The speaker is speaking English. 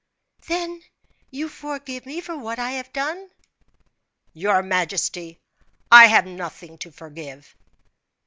"Then you forgive me for what I have done?" "Your majesty, I have nothing to forgive."